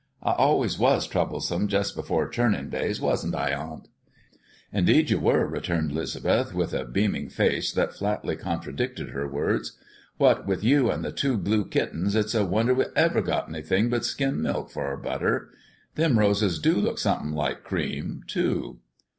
"I always was troublesome just before churning days: wasn't I, aunt?" "Indeed, you were," returned 'Lisbeth, with a beaming face that flatly contradicted her words. "What with you and the two blue kittens, it's a wonder we ever got anything but skim milk for our butter. Them roses do look something like cream too."